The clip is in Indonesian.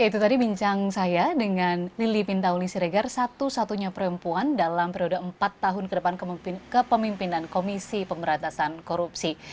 ya itu tadi bincang saya dengan lili pintauli siregar satu satunya perempuan dalam periode empat tahun ke depan kepemimpinan komisi pemberantasan korupsi